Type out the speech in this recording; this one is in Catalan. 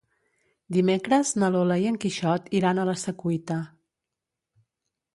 Dimecres na Lola i en Quixot iran a la Secuita.